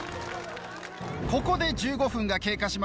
ここで１５分が経過しました。